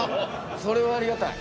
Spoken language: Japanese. それはありがたい。